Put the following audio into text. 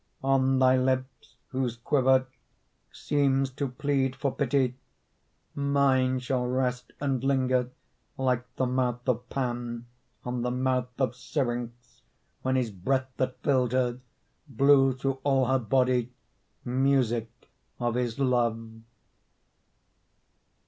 On thy lips whose quiver Seems to plead for pity, Mine shall rest and linger Like the mouth of Pan On the mouth of Syrinx, When his breath that filled her Blew through all her body Music of his love.